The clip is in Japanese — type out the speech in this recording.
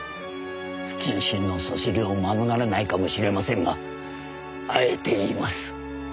不謹慎のそしりを免れないかもしれませんがあえて言います。